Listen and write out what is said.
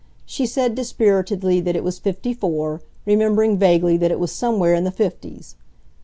She said dispiritedly that it was 54, remembering vaguely that it was somewhere in the fifties.